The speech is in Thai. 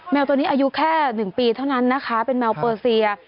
วตัวนี้อายุแค่๑ปีเท่านั้นนะคะเป็นแมวเปอร์เซีย